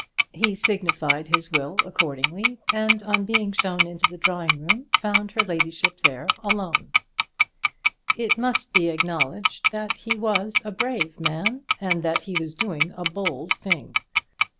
He signified his will accordingly, and on being shown into the drawing room, found her ladyship there alone. It must be acknowledged that he was a brave man, and that he was doing a bold thing.